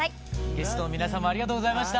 ゲストの皆さんもありがとうございました。